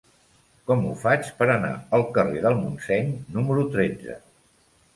Com ho faig per anar al carrer del Montseny número tretze?